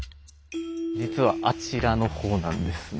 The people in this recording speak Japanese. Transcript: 実はあちらの方なんですね。